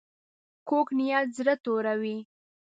کوږ نیت زړه توروي